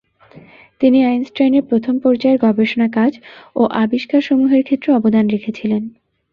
তিনি আইনস্টাইনের প্রথম পর্যায়ের গবেষণা কাজ ও আবিষ্কারসমূহের ক্ষেত্রে অবদান রেখেছিলেন।